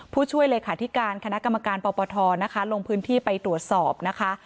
ผู้ช่วยเลยค่ะที่การคณะกรรมการปปทลงพื้นที่ไปตรวจสอบนะคะ